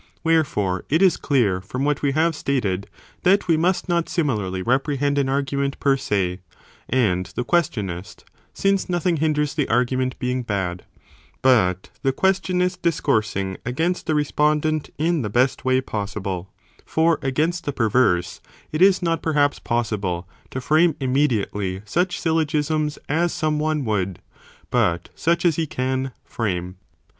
Wherefore it is clear from what we have stated, that we must not similarly reprehend an argument per se, and the questionist ; since nothing hinders the argument being: bad, but the questionist discoursing against the respondent in the best way possible; for against the perverse, it is not perhaps possible, to frame immediately, such syllogisms as some one would, but such as he can, frame.